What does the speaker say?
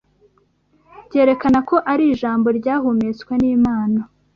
byerekana ko ari Ijambo ryahumetswe n’Imana